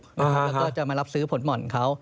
แล้วก็จะมารับซื้อผลหม่อนเขา